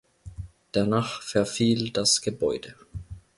Danach verfiel das Gebäude.